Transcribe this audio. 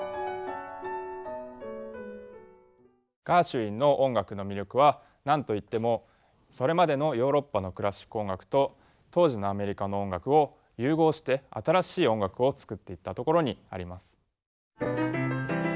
ガーシュウィンの音楽の魅力は何と言ってもそれまでのヨーロッパのクラシック音楽と当時のアメリカの音楽を融合して新しい音楽を作っていったところにあります。